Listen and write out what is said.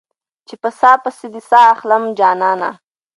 چې په ساه پسې دې ساه اخلم جانانه